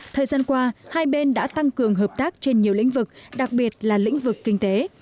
thời gian qua hai bên đã tăng cường hợp tác trên nhiều lĩnh vực đặc biệt là lĩnh vực kinh tế